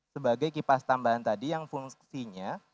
sebagai kipas tambahan tadi yang fungsinya